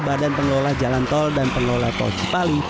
badan pengelola jalan tol dan pengelola tol cipali